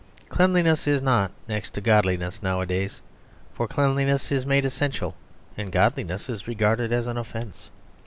Cleanliness is not next to godliness nowadays, for cleanliness is made essential and godliness is regarded as an offence.